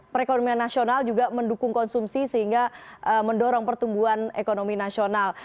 perekonomian nasional juga mendukung konsumsi sehingga mendorong pertumbuhan ekonomi nasional